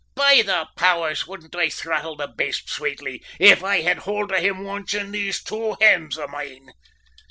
"By the powers, wouldn't I throttle the baste swately, if I had hould of him once in these two hands of mine!"